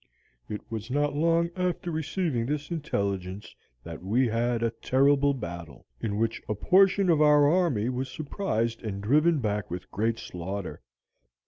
"It was not long after receiving this intelligence that we had a terrible battle, in which a portion of our army was surprised and driven back with great slaughter.